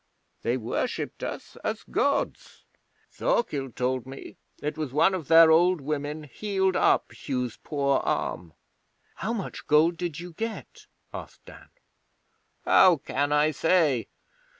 They worshipped us as Gods, Thorkild told me: it was one of their old women healed up Hugh's poor arm.' 'How much gold did you get?'asked Dan. 'How can I say?